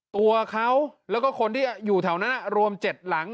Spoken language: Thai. ตัวเขาแล้วก็คนที่อยู่แถวนั้นรวม๗หลัง